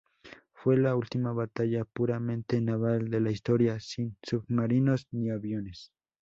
Fue la última batalla puramente naval de la historia, sin submarinos ni aviones.